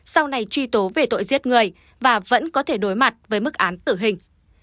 sau này truy tố về tội giết người và vẫn có thể đối mặt với mức án tử hình